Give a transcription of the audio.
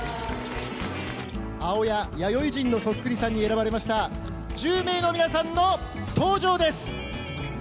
青谷弥生人のそっくりさんに選ばれました１０名の皆さんの登場です。